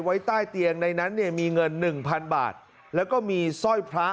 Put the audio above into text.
ไว้ใต้เตียงในนั้นเนี่ยมีเงินหนึ่งพันบาทแล้วก็มีสร้อยพระ